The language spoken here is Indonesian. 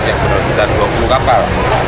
yang berkisar dua puluh kapal